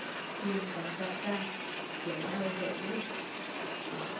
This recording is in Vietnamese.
Chuyện quá rõ ràng, dấu đầu hở đuôi